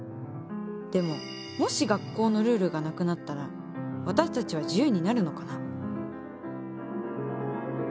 でももし学校のルールがなくなったら私たちは自由になるのかな？